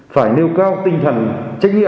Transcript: phải nêu cao tỉnh lào cai